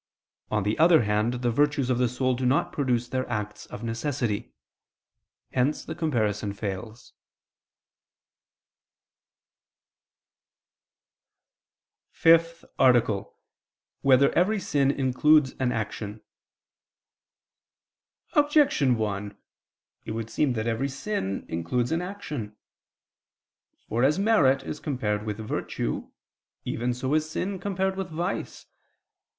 On the other hand, the virtues of the soul do not produce their acts of necessity; hence the comparison fails. ________________________ FIFTH ARTICLE [I II, Q. 71, Art. 5] Whether Every Sin Includes an Action? Objection 1: It would seem that every sin includes an action. For as merit is compared with virtue, even so is sin compared with vice.